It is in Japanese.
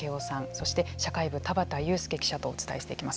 そして社会部田畑佑典記者とお伝えしていきます。